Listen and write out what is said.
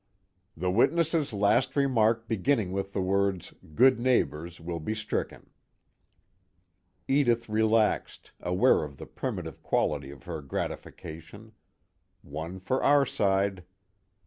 "The witness's last remark beginning with the words 'good neighbors' will be stricken." Edith relaxed, aware of the primitive quality of her gratification: one for our side.